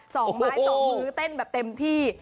สองไม้สองมือเต้นแบบเต็มที่